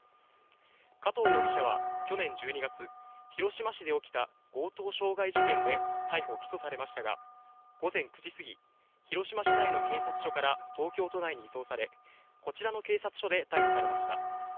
加藤容疑者は去年１２月、広島市で起きた強盗傷害事件で逮捕・起訴されましたが、午前９時過ぎ、広島市内の警察署から東京都内に移送され、こちらの警察署で逮捕されました。